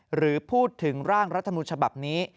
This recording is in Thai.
หรือพูดถึงร่างรัฐมนุนฉบับนี้